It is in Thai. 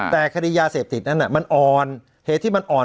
แต่คดียาเสพติดนั้นมันอ่อนเหตุที่มันอ่อน